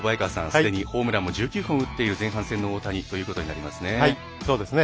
すでにホームランも１９本打っている前半戦の大谷となりますね。